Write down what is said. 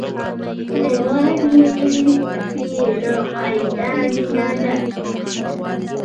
هیواد مې بې له قیده مینه ده